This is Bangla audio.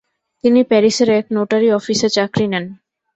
তিনি প্যারিসের এক নোটারি অফিসে চাকরি নেন।